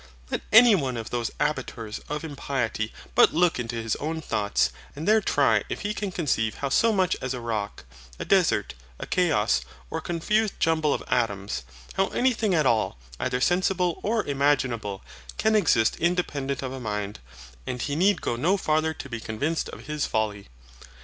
Let any one of those abettors of impiety but look into his own thoughts, and there try if he can conceive how so much as a rock, a desert, a chaos, or confused jumble of atoms; how anything at all, either sensible or imaginable, can exist independent of a Mind, and he need go no farther to be convinced of his folly.